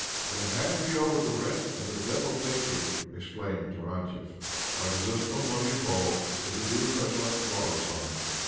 " Then hand me over the rent, and the devil take you !" exclaimed Tarantiev. " I possess no money at all. As it is, I ishall have to borrow some."